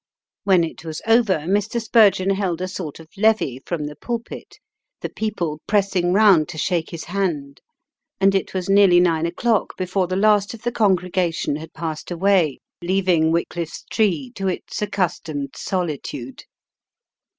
When it was over, Mr. Spurgeon held a sort of levee from the pulpit, the people pressing round to shake his hand, and it was nearly nine o'clock before the last of the congregation had passed away, leaving Wycliffe's Tree to its accustomed solitude.